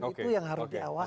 itu yang harus diawas